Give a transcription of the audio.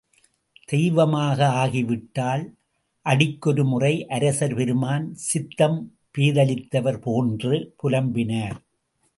தெய்வமாக ஆகிவிட்டாள். அடிக்கொரு முறை அரசர் பெருமான் சித்தம் பேதலித்தவர் போன்று புலம்பினார்.